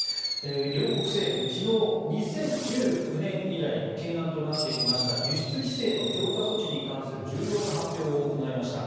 両国政府、昨日２０１９年以来懸案となってきた輸出規制の強化措置に関する重要な発表を行いました。